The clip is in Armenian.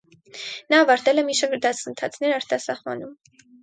Նա ավարտել է մի շարք դասընթացներ արտասահմանում։